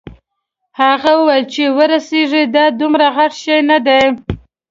هغه وویل چې ورسیږې دا دومره غټ شی نه دی.